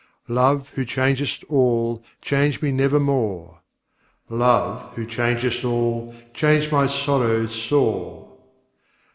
Love, who changest all, change me nevermore! "Love, who changest all, change my sorrow sore!"